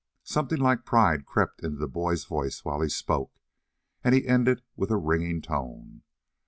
Something like pride crept into the boy's voice while he spoke, and he ended with a ringing tone.